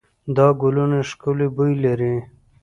دا ګلونه ښکلې بوی لري.